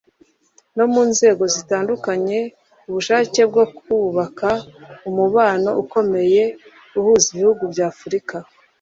no mu nzego zitandukanye ubushake bwo kubaka umubano ukomeye uhuza ibihugu by’Afrika